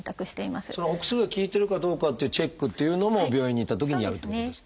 そのお薬が効いてるかどうかっていうチェックっていうのも病院に行ったときにやるってことですか？